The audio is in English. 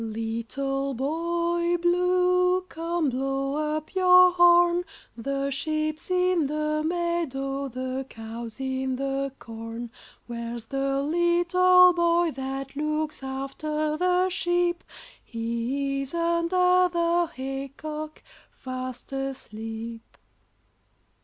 ] Little Boy Blue, come blow up your horn, The sheep's in the meadow, the cow's in the corn. Where's the little boy that looks after the sheep? He is under the hay cock fast asleep.